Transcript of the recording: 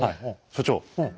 所長。